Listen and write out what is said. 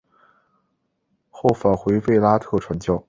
后返回卫拉特传教。